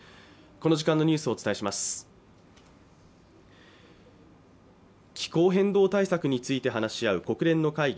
この時間のニュースをお伝えします気候変動対策について話し合う国連の会議